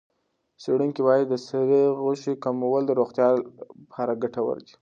څېړونکي وايي د سرې غوښې کمول د روغتیا لپاره ګټور دي.